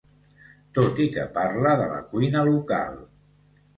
Tot i que parla de la cuina local